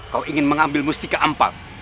kau ingin mengambil mustika ampat